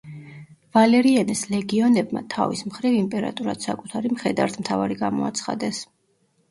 ვალერიანეს ლეგიონებმა, თავის მხრივ, იმპერატორად საკუთარი მხედართმთავარი გამოაცხადეს.